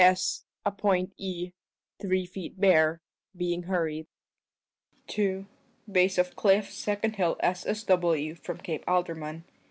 S. a point E. 3 feet bare, being hurried. 2. Bayse of cliff second hill S.S.W. from Cape Alderman.